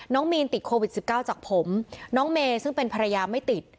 มีนติดโควิด๑๙จากผมน้องเมย์ซึ่งเป็นภรรยาไม่ติด